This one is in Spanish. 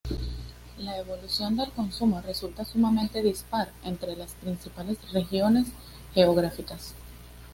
La evolución del consumo resulta sumamente dispar entre las principales regiones geográficas.